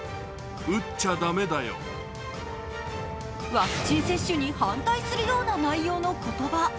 ワクチン接種に反対するような内容の言葉。